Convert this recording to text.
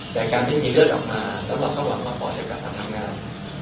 แต่การที่มีเลือดออกมาแล้วเราก็หวังว่าปอดจากการทำงาน